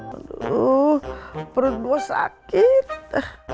aduh perut gue sakit